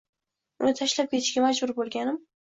Uni tashlab ketishga majbur bo’lganim